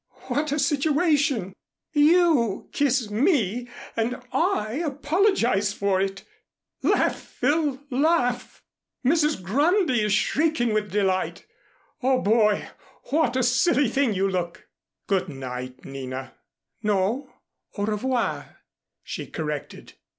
"What a situation! You kiss me and I apologize for it! Laugh, Phil, laugh! Mrs. Grundy is shrieking with delight. O boy! What a silly thing you look!" "Good night, Nina." "No, au revoir," she corrected.